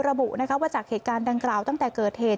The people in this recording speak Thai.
ระบุว่าจากเหตุการณ์ดังกล่าวตั้งแต่เกิดเหตุ